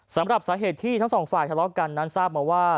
สำหรับสาเหตุที่ทั้งสองฝ่ายทะเลาะกันนั้นทราบมาว่า